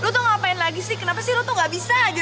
lu tuh ngapain lagi sih kenapa sih lo tuh gak bisa aja